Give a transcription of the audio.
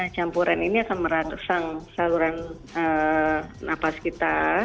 campuran ini akan merangsang saluran nafas kita